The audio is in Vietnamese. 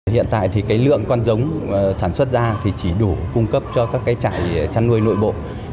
hiện tại thì cái lượng con giống sản xuất ra thì chỉ đủ cung cấp cho các cái trại chăn nuôi nội bộ